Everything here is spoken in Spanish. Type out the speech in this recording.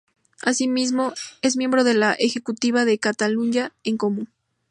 Asimismo, es miembro de la ejecutiva de Catalunya en Comú.